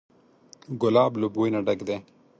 ګلاب له بوی نه ډک دی.